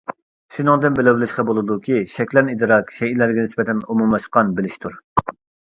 شۇنىڭدىن بىلىۋېلىشقا بولىدۇكى، شەكلەن ئىدراك شەيئىلەرگە نىسبەتەن ئومۇملاشقان بىلىشتۇر.